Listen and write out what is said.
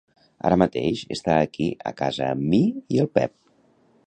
Ara mateix està aquí a casa amb mi i el Pep.